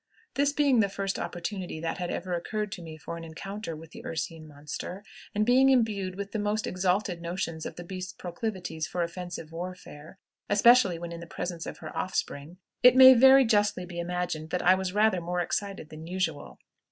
This being the first opportunity that had ever occurred to me for an encounter with the ursine monster, and being imbued with the most exalted notions of the beast's proclivities for offensive warfare, especially when in the presence of her offspring, it may very justly be imagined that I was rather more excited than usual.